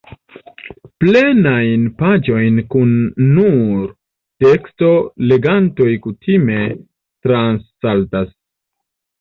Plenajn paĝojn kun nur teksto legantoj kutime transsaltas.